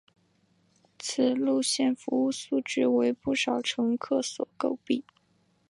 此路线服务质素为不少乘客所诟病。